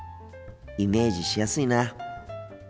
イメージしやすいな。